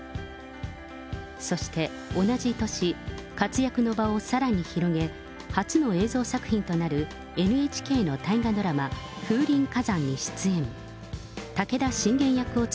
そして同じ年、活躍の場をさらに広げ、初の映像作品となるＮＨＫの大河ドラマ、風林火山に出演。